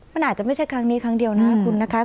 มันอาจจะไม่ใช่ครั้งนี้ครั้งเดียวนะคุณนะคะ